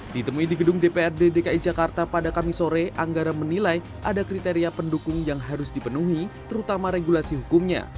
ditemui di gedung dprd dki jakarta pada kamis sore anggara menilai ada kriteria pendukung yang harus dipenuhi terutama regulasi hukumnya